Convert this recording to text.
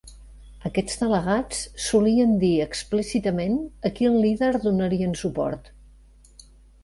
Aquests delegats solien dir explícitament a quin líder donarien suport.